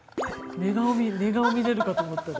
寝顔見れるかと思ったら。